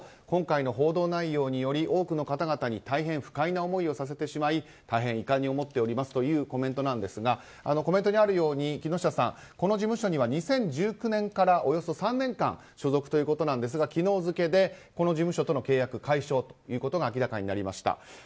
今回の報道の内容により多くの方々に大変不快な思いをさせてしまい大変遺憾に思っておりますというコメントなんですがコメントにあるように木下さんこの事務所には２０１９年からおよそ３年間所属ということなんですが昨日付でこの事務所との契約を解消ということが明らかになりました。